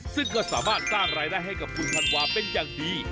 ซึ่งก็สามารถสร้างรายได้ให้กับคุณธันวาเป็นอย่างดี